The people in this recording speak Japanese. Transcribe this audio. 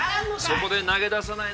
そこで投げ出さないのが